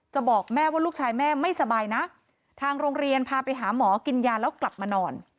บอกแม่ว่าลูกชายแม่ไม่สบายนะทางโรงเรียนพาไปหาหมอกินยาแล้วกลับมานอน